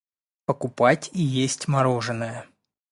покупать и есть мороженое.